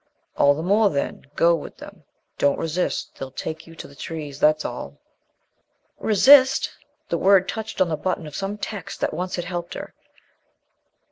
"All the more then go with them. Don't resist. They'll take you to the trees, that's all." Resist! The word touched on the button of some text that once had helped her.